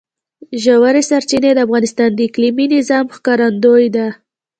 ژورې سرچینې د افغانستان د اقلیمي نظام ښکارندوی ده.